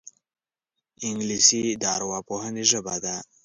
انګلیسي د ارواپوهنې ژبه ده